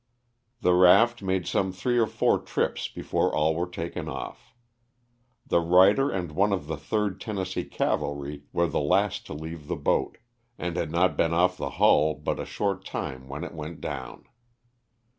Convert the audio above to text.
The raft made some three or four trips before all were taken off. The writer and one of the 3rd Tennessee Cavalry were the last to leave the boat, and had not been off the hull but a short time when it went down.